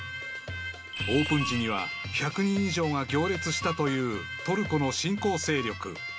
［オープン時には１００人以上が行列したというトルコの新興勢力］